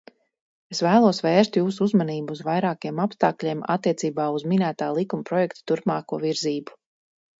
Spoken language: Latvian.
Es vēlos vērst jūsu uzmanību uz vairākiem apstākļiem attiecībā uz minētā likumprojekta turpmāko virzību.